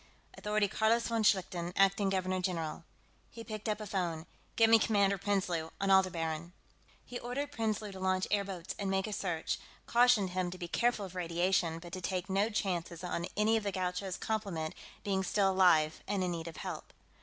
Authority Carlos von Schlichten, acting Governor General." He picked up a phone. "Get me Commander Prinsloo, on Aldebaran...." He ordered Prinsloo to launch airboats and make a search; cautioned him to be careful of radiation, but to take no chances on any of the Gaucho's complement being still alive and in need of help.